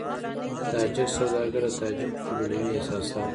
تاجک سوداګر د تاجکو قبيلوي احساسات.